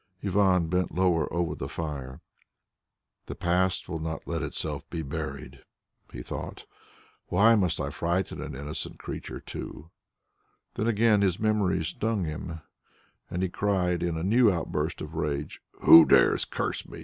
Ivan bent lower over the fire. "The past will not let itself be buried," he thought. "Why must I frighten an innocent creature too?" Then again his memories stung him and he cried in a new outburst of rage, "Who dares curse us.